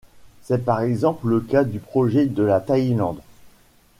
C'est par exemple le cas du projet de la Thaïlande.